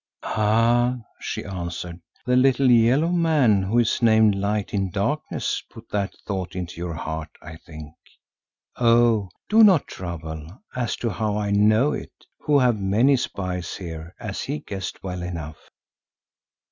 "Ah!" she answered, "the little yellow man who is named Light in Darkness put that thought into your heart, I think. Oh, do not trouble as to how I know it, who have many spies here, as he guessed well enough.